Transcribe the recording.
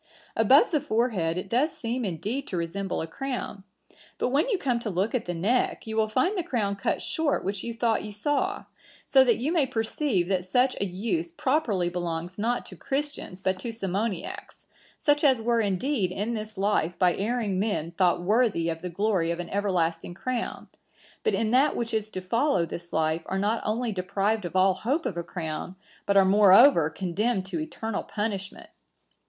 Above the forehead it does seem indeed to resemble a crown; but when you come to look at the neck, you will find the crown cut short which you thought you saw; so that you may perceive that such a use properly belongs not to Christians but to Simoniacs, such as were indeed in this life by erring men thought worthy of the glory of an everlasting crown; but in that which is to follow this life are not only deprived of all hope of a crown, but are moreover condemned to eternal punishment.